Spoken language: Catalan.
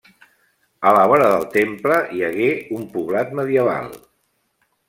A la vora del temple, hi hagué un poblat medieval.